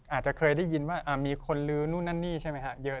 อาจจะเคยได้ยินว่ามีคนลื้อนู่นนั่นนี่ใช่ไหมครับเยอะ